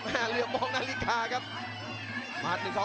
เยอร์มองนาฬิกากับ